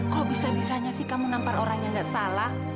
kok bisa bisanya sih kamu nampar orang yang gak salah